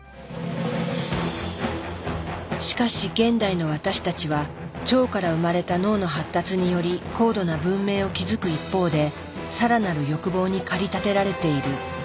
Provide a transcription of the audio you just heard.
しかし現代の私たちは腸から生まれた脳の発達により高度な文明を築く一方で更なる欲望に駆り立てられている。